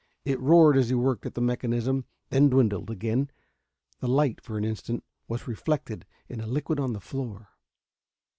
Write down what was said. It roared as he worked at the mechanism, then dwindled again. Its light, for an instant, was reflected in a liquid on the floor.